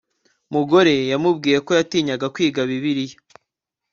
mugore yamubwiye ko yatinyaga kwiga Bibiliya